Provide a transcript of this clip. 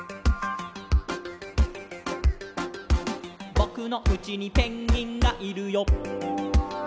「ぼくのうちにペンギンがいるよ」